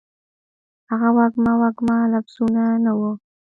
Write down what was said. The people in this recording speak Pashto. هغه وږمه، وږمه لفظونه ، نه وه